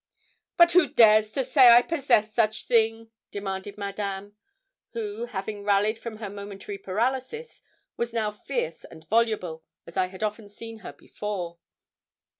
'But who dares to say I possess such thing?' demanded Madame, who, having rallied from her momentary paralysis, was now fierce and voluble as I had often seen her before.